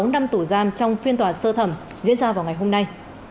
một mươi sáu năm tù giam trong phiên tòa sơ thẩm diễn ra vào ngày hôm nay